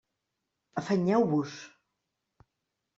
Afanyeu-vos!